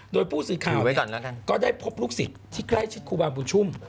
โดยผู้สินค้าวก็ได้พบลูกศิษย์ที่ใกล้ชิดคุบาประชุม